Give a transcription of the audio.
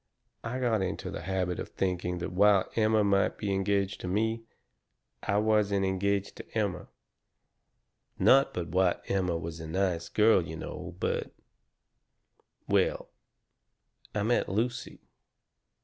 I got into the habit of thinking that while Emma might be engaged to me, I wasn't engaged to Emma. Not but what Emma was a nice girl, you know, but "Well, I met Lucy.